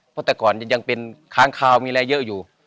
เพราะแต่ก่อนยังเป็นค้างคาวมีอะไรเยอะอยู่